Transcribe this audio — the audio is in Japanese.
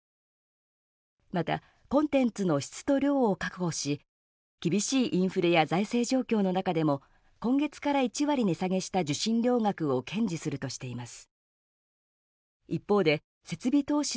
また、コンテンツの質と量を確保し厳しいインフレや財政状況の中でも今月から１割値下げした受信料額を堅持するとしています。